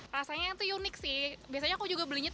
rasanya tuh unik sih biasanya aku juga belinya